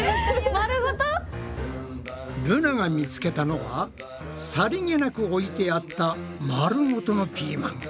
ルナが見つけたのはさりげなく置いてあった丸ごとのピーマン。